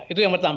itu yang pertama